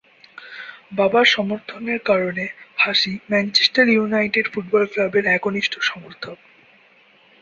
বাবার সমর্থনের কারণে হাসি ম্যানচেস্টার ইউনাইটেড ফুটবল ক্লাবের একনিষ্ঠ সমর্থক।